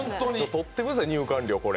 とってください、入館料これ。